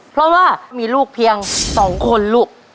เพราะว่ามีลูกเพียง๒คนลูก